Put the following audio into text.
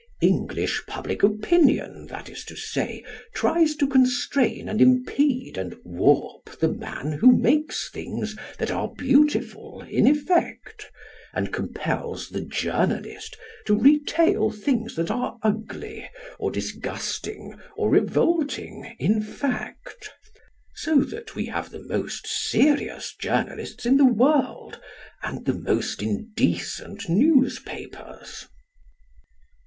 English public opinion, that is to say, tries to constrain and impede and warp the man who makes things that are beautiful in effect, and compels the journalist to retail things that are ugly, or disgusting, or revolting in fact, so that we have the most serious journalists in the world, and the most indecent newspapers.